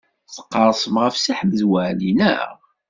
Tqerrsem ɣef Si Ḥmed Waɛli, naɣ?